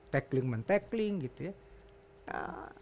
tackling men tagling gitu ya